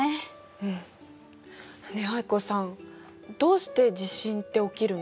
うん。ねえ藍子さんどうして地震って起きるの？